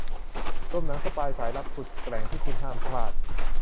รวมหนังสปายสายลับสุดแกร่งที่คุณห้ามพลาด